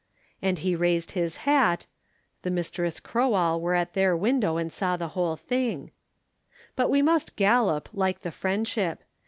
and he raised his hat (the Misses Croall were at their window and saw the whole thing). But we must gallop, like the friendship.